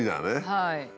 はい。